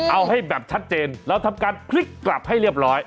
เอาให้แบบชัดเจนเราทำการพลิกกลับให้เรียบร้อย